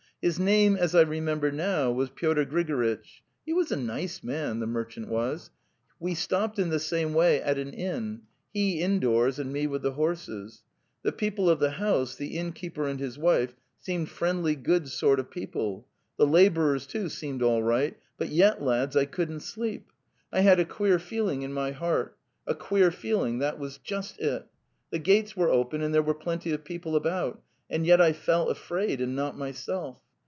'' His name, as I remember now, was Pyotr Grigoritch. He was a nice man, ... the merchant was. We stopped in the same way at aninn. ... He indoors and me with the horses. ... The people of the house, the innkeeper and his wife, seemed friendly good sort of people; the labourers, too, seemed all right; but yet, lads, I couldn't sleep. I had a queer The Steppe Det feeling in my heart, ... a queer feeling, that was just it. The gates were open and there were plenty of people about, and yet I felt afraid and not my self.